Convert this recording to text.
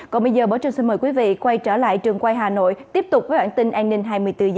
còn bây giờ bỏ trình xin mời quý vị quay trở lại trường quay hà nội tiếp tục với bản tin an ninh hai mươi bốn h